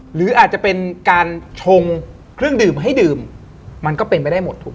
หรืออาจจะเป็นการชงเครื่องดื่มให้ดื่มมันก็เป็นไปได้หมดถูก